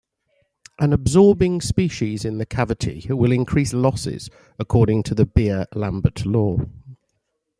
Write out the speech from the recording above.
An absorbing species in the cavity will increase losses according to the Beer-Lambert law.